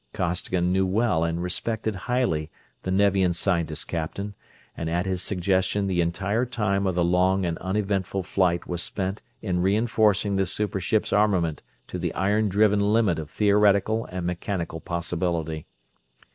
Costigan knew well and respected highly the Nevian scientist captain, and at his suggestion the entire time of the long and uneventful flight was spent in re enforcing the super ship's armament to the iron driven limit of theoretical and mechanical possibility.